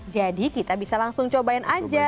jadi kita bisa langsung cobain aja